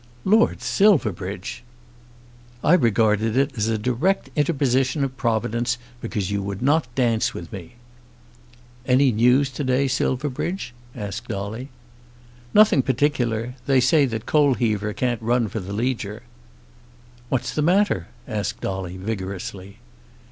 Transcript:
"Lord Silverbridge!" "I regarded it as a direct interposition of Providence, because you would not dance with me." "Any news to day, Silverbridge?" asked Dolly. "Nothing particular. They say that Coalheaver can't run for the Leger." "What's the matter?" asked Dolly vigorously.